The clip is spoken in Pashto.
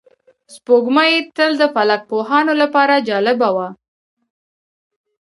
سپوږمۍ تل د فلک پوهانو لپاره جالبه وه